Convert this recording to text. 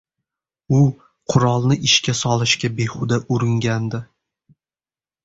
U qurolni ishga solishga behuda uringandi